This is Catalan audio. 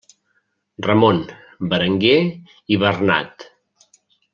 Ramon, Berenguer i Bernat.